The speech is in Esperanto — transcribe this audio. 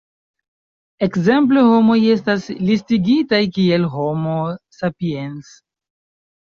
Ekzemple, homoj estas listigitaj kiel "Homo sapiens".